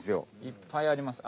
いっぱいあります。